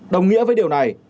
đồng nghĩa với điều này